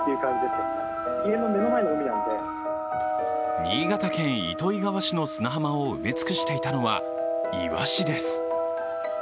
新潟県糸魚川市の砂浜を埋めつくしていたのは、いわしです。